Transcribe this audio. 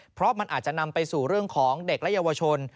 เพราะมันอาจจะนำไปสู่เรื่องของเด็กและเยาวชน